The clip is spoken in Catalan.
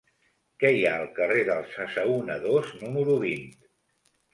Què hi ha al carrer dels Assaonadors número vint?